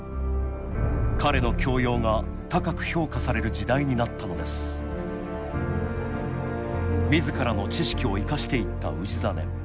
彼の教養が高く評価される時代になったのです自らの知識を生かしていった氏真。